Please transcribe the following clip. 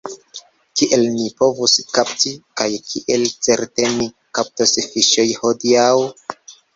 Kiel ni povus kapti, kaj kiel certe ni kaptos fiŝojn hodiaŭ?